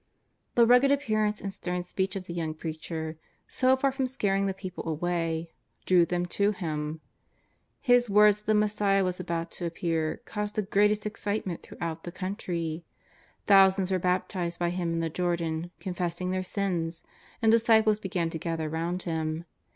The rugged appearance and stern speech of the young preacher, so far from scaring the people away, drew them to him. His words that the Messiah was about to appear caused the greatest excitement throughout the country ; thousands were baptized by him in the Jordan confessing their sins, and disciples began to gather round him.